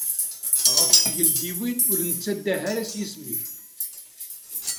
Ɣef tgeldiwin ur nettandah ara s yisem-ik!